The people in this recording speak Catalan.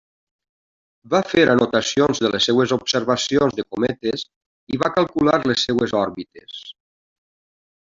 Va fer anotacions de les seves observacions de cometes i va calcular les seves òrbites.